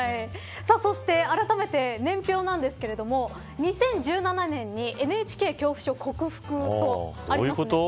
そして、あらためて年表なんですけれども２０１７年にＮＨＫ恐怖症克服とあります。